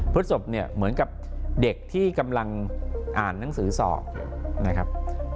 พฤศพเนี่ยเหมือนกับเด็กที่กำลังอ่านหนังสือสอบนะครับ